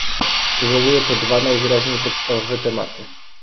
Wywołuje to dwa najwyraźniej podstawowe tematy